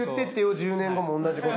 １０年後も同じこと。